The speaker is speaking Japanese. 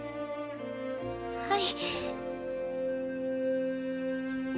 はい。